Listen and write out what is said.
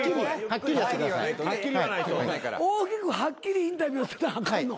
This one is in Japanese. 大きくはっきりインタビューせなあかんの？